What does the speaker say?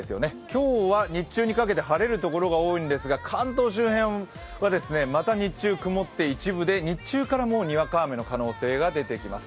今日は日中にかけて晴れるところが多いんですが関東周辺はまた日中曇って、一部で日中からもうにわか雨の可能性が出てきます。